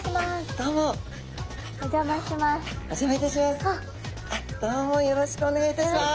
どうもよろしくおねがいいたします。